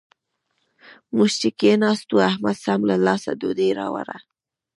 موږ چې کېناستو؛ احمد سم له لاسه ډوډۍ راوړه.